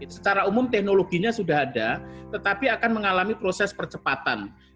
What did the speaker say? secara umum teknologinya sudah ada tetapi akan mengalami proses percepatan